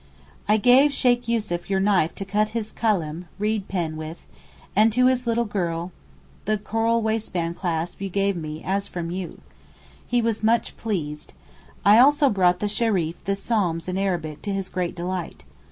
I gave Sheykh Yussuf your knife to cut his kalem (reed pen) with, and to his little girl the coral waistband clasp you gave me as from you. He was much pleased. I also brought the Shereef the psalms in Arabic to his great delight.